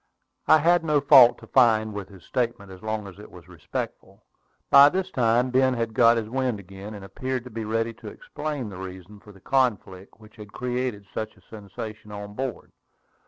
I had no fault to find with his statement, as long as it was respectful. By this time Ben had got his wind again, and appeared to be ready to explain the reason for the conflict which had created such a sensation on board.